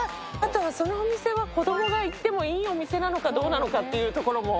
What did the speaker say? そのお店は子供が行ってもいいお店なのかどうかというところも。